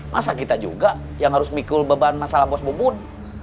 masa kita juga yang harus mikul beban masalah bos bebun